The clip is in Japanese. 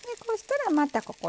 こうしたらまた。